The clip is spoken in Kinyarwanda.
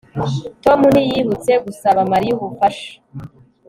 Tom ntiyibutse gusaba Mariya ubufasha